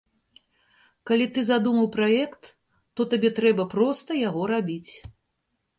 Калі ты задумаў праект, то табе трэба проста яго рабіць.